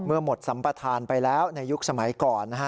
เมื่อหมดสัมปทานไปแล้วในยุคสมัยก่อนนะฮะ